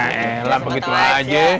ya elah begitu aja